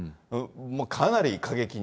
もうかなり過激に。